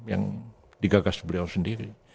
yang digagas beliau sendiri